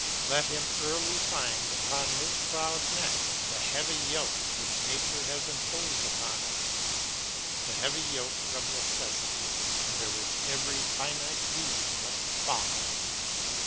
Let him early find upon his proud neck, the heavy yoke which nature has imposed upon us, the heavy yoke of necessity, under which every finite being must bow.